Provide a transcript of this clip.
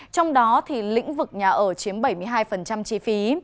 trong đó lĩnh vực nhà ở chiếm bảy mươi hai chi phí